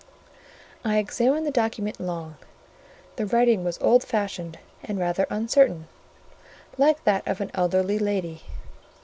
I examined the document long: the writing was old fashioned and rather uncertain, like that of an elderly lady.